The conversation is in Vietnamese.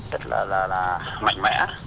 rất là là là mạnh mẽ